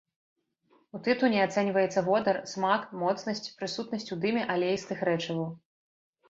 У тытуні ацэньваецца водар, смак, моцнасць, прысутнасць у дыме алеістых рэчываў.